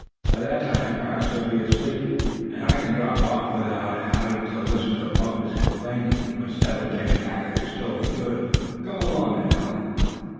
"By that time, perhaps they'll be asleep, and I can drop off without being made to listen to Bumpus' complaining, when Step Hen takes back his stolen goods. Come along, then, Allan."